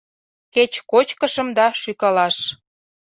Кеч кочкышым да шӱкалаш.